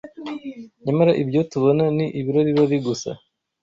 nyamara ibyo tubona ni ibirorirori gusa